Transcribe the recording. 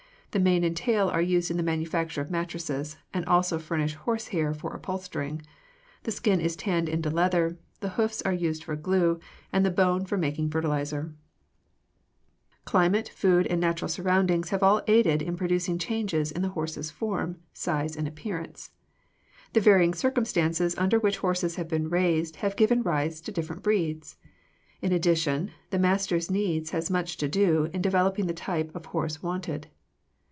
The mane and tail are used in the manufacture of mattresses, and also furnish a haircloth for upholstering; the skin is tanned into leather; the hoofs are used for glue, and the bones for making fertilizer. [Illustration: FIG. 240. PERCHERON HORSE (A DRAFT TYPE)] Climate, food, and natural surroundings have all aided in producing changes in the horse's form, size, and appearance. The varying circumstances under which horses have been raised have given rise to the different breeds. In addition, the masters' needs had much to do in developing the type of horses wanted.